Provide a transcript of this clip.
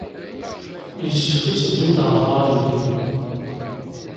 Yessefk ad teddumt ɣer Harajuku.